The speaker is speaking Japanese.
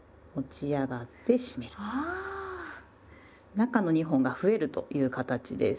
中の２本が増えるという形です。